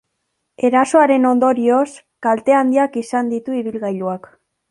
Erasoaren ondorioz, kalte handiak izan ditu ibilgailuak.